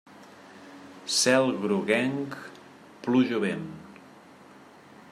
Cel groguenc, pluja o vent.